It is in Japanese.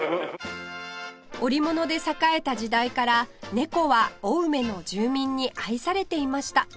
織物で栄えた時代から猫は青梅の住民に愛されていました